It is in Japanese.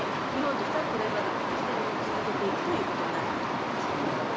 日本としてはこれまでの路線を続けていくということになるかと思います。